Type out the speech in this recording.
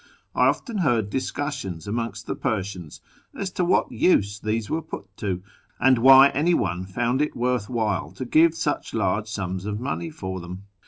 I often heard discussions amongst the Persians as to what use these were put to, and why any one found it worth while to give such large sums of money for them.